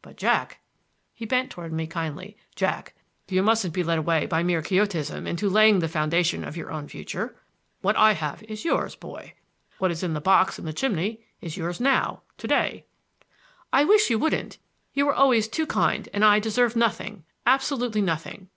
"But, Jack,"—he bent toward me kindly,—"Jack, you mustn't be led away by any mere quixotism into laying the foundation of your own fortune. What I have is yours, boy. What is in the box in the chimney is yours now—to day." "I wish you wouldn't! You were always too kind, and I deserve nothing, absolutely nothing."